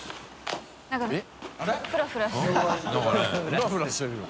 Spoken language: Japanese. フラフラしてるよ。